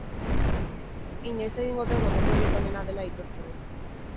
Inoiz egingo duen gomendiorik onena dela aitortu du.